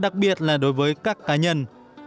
tuyệt là đối với các cá nhân